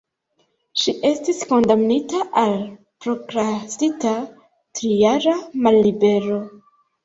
Ŝi estis kondamnita al prokrastita trijara mallibero.